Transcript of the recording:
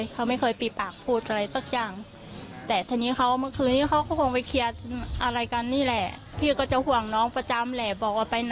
เขาไม่เคยบอกว่าเงินมันหายไปยังไง